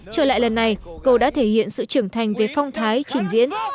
trở lại lần này cậu đã thể hiện sự trưởng thành về phong thái chỉnh diễn